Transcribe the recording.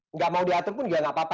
enggak mau diatur pun enggak apa apa